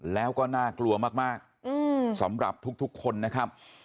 แล้วก็น่ากลัวมากสำหรับทุกคนนะครับ